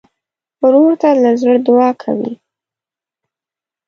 ورور ته له زړه دعا کوې.